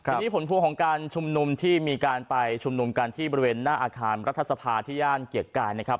ทีนี้ผลพวงของการชุมนุมที่มีการไปชุมนุมกันที่บริเวณหน้าอาคารรัฐสภาที่ย่านเกียรติกายนะครับ